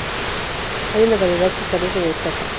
Hay una variedad que carece de estopa.